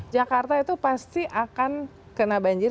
jakarta itu pasti akan kena banjir